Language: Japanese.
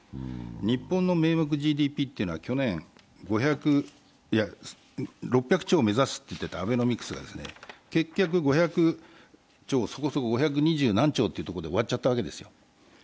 日本の名目ＧＤＰは去年６００兆を目指すと言っていたアベノミクスが結局５００兆そこそこ、五百二十何兆というところで終わっちゃったんですよ。